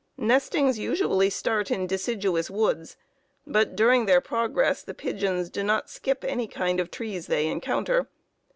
Nestings usually start in deciduous woods, but during their progress the pigeons do not skip any kind of trees they encounter.